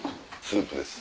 スープです。